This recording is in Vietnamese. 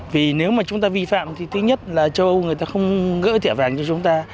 vì nếu mà chúng ta vi phạm thì thứ nhất là châu âu người ta không gỡ thẻ vàng cho chúng ta